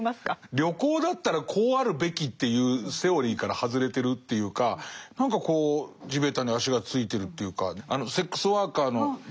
旅行だったらこうあるべきっていうセオリーから外れてるっていうか何かこう地べたに足がついてるというかあのセックスワーカーの女性とね。